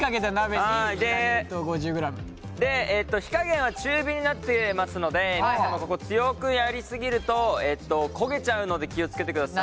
で火加減は中火になってますのでここ強くやり過ぎると焦げちゃうので気を付けてください。